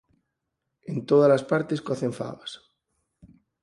en tódalas partes cocen fabas.